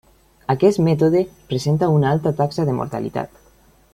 Aquest mètode presenta una alta taxa de mortalitat.